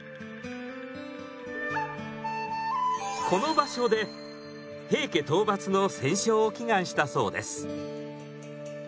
この場所で平家討伐の戦勝を祈願したそうです。